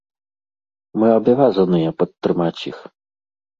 Мы абавязаныя падтрымаць іх.